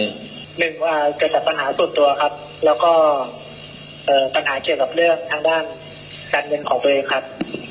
หนึ่งว่าเกิดจากปัญหาส่วนตัวครับแล้วก็ปัญหาเกี่ยวกับเรื่องทางด้านการเงินของตัวเองครับ